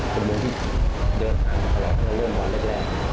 เป็นวงที่เดินทางกันตลอดเพราะเริ่มตอนแรก